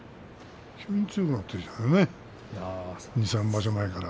２、３場所前から。